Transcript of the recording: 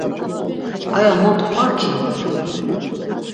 Aya mot qva ki?